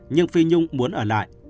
nhưng phi nhung muốn ở lại